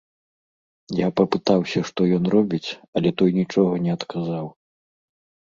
Я папытаўся, што ён робіць, але той нічога не адказаў.